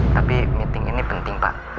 tapi meeting ini penting pak